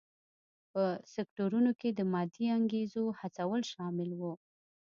په سکتورونو کې د مادي انګېزو هڅول شامل و.